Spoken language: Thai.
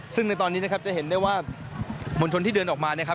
ซึ่งในตอนนี้นะครับจะเห็นได้ว่ามวลชนที่เดินออกมานะครับ